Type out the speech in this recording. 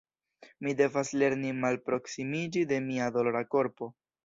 Mi devas lerni malproksimiĝi de mia dolora korpo.